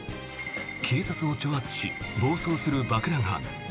警察を挑発し暴走する爆弾犯。